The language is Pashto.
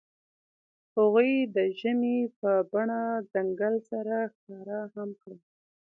هغوی د ژمنې په بڼه ځنګل سره ښکاره هم کړه.